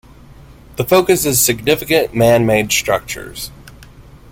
The focus is significant man-made structures.